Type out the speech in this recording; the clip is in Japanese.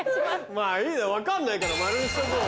まぁいい分かんないから「○」にしとこう。